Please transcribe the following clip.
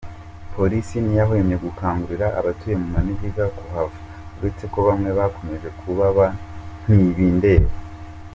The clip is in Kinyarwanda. Polisi ntiyahwemye gukangurira abatuye mu manegeka kuhava uretse ko bamwe bakomeje kuba ba ntibindeba.